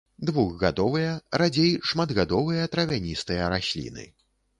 Двухгадовыя, радзей шматгадовыя травяністыя расліны.